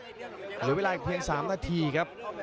เดี๋ยวเวลากับเพียงสามนาทีครับ